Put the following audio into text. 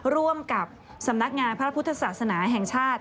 ร่วมกับสำนักงานพระพุทธศาสนาแห่งชาติ